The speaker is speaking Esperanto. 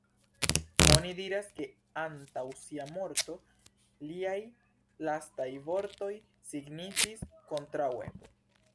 Oni diras, ke antaŭ sia morto, liaj lastaj vortoj signifis "Kontraŭe".